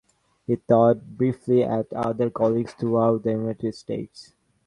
He taught briefly at other colleges throughout the United States.